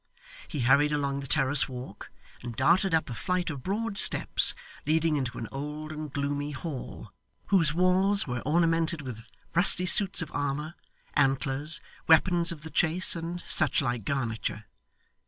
He hurried along the terrace walk, and darted up a flight of broad steps leading into an old and gloomy hall, whose walls were ornamented with rusty suits of armour, antlers, weapons of the chase, and suchlike garniture.